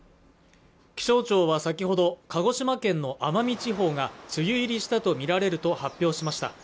気象庁は先ほど鹿児島県の奄美地方が梅雨入りしたとみられると発表しました